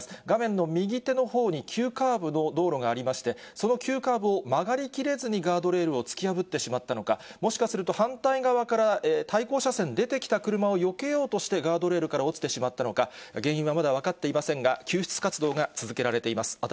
画面の右手のほうに急カーブの道路がありまして、その急カーブを曲がりきれずにガードレールを突き破ってしまったのか、もしかすると反対側から対向車線、出てきた車をよけようとして、ガードレールから落ちてしまったのか、原因はまだ分かっていませんが、救出活動が続けられています。